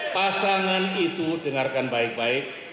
pasangan itu dengarkan baik baik